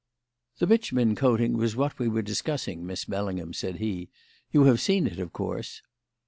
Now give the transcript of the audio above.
"The bitumen coating was what we were discussing, Miss Bellingham," said he. "You have seen it, of course."